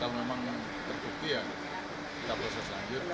kalau memang terbukti ya kita proses lanjut